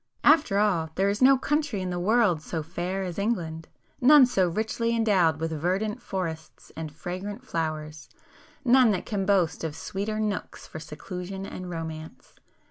After all, there is no country in the world so fair as England,—none so richly endowed with verdant forests and fragrant flowers,—none that can boast of sweeter nooks for seclusion and romance.